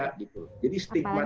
jadi stigmatisasi ini yang berbahaya